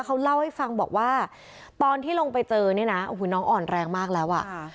เขาเล่าให้ฟังบอกว่าตอนที่ลงไปเจอเนี่ยนะโอ้โหน้องอ่อนแรงมากแล้วอ่ะ